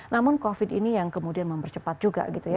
namun covid ini yang kemudian mempercepat juga